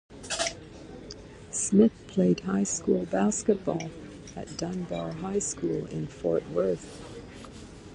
Smith played high school basketball at Dunbar High School, in Fort Worth.